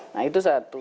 nah itu satu